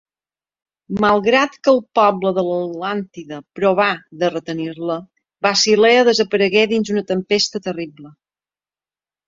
Malgrat que el poble de l'Atlàntida provà de retenir-la, Basilea desaparegué dins una tempesta terrible.